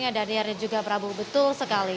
ya good morning daniarnya juga prabu betul sekali